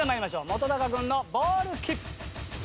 本君のボールキープ。